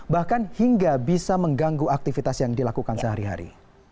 bahkan hingga bisa mengganggu aktivitas yang dilakukan sehari hari